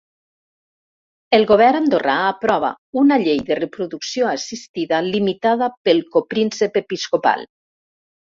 El govern andorrà aprova una llei de reproducció assistida limitada pel copríncep episcopal.